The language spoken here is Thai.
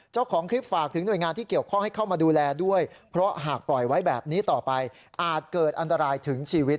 เจ้าของคลิปฝากถึงหน่วยงานที่เกี่ยวข้องให้เข้ามาดูแลด้วยเพราะหากปล่อยไว้แบบนี้ต่อไปอาจเกิดอันตรายถึงชีวิต